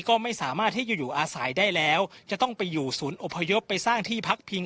ก็ไม่สามารถให้อยู่อยู่อาศัยได้แล้วจะต้องไปอยู่ศูนย์อพยพไปสร้างที่พักพิง